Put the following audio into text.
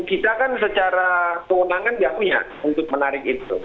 kita kan secara keundangan dia punya untuk menarik itu